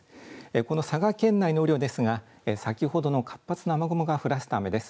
この佐賀県内の雨量ですが先ほどの活発な雨雲が降らせた雨です。